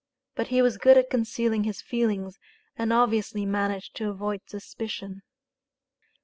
But he was good at concealing his feelings, and obviously managed to avoid suspicion.